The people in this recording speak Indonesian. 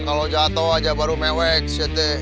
kalau jatuh aja baru meweks